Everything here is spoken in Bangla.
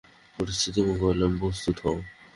পরিস্থিতি মোকাবেলায় প্রস্তুত হও!